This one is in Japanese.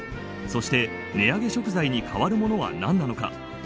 そして、値上げ食材に代わるものは何なのか。